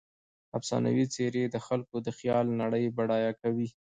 افسانوي څیرې د خلکو د خیال نړۍ بډایه کوي.